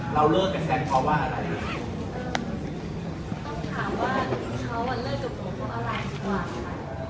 เราเลิกกับแซคเพราะว่าอะไรต้องถามว่าเขาอะเลิกกับผมก็อะไรดีกว่า